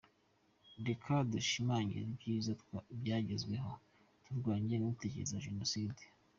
Reka dushimangire ibyiza byagezweho turwanye ingengabitekerezo ya jenoside.